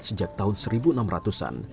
sejak tahun seribu enam ratus an